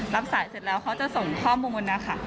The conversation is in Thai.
รับสายเสร็จแล้วเขาจะส่งข้อมูลนะคะ